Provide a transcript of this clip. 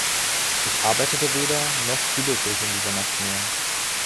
Ich arbeitete weder, noch grübelte ich in dieser Nacht mehr.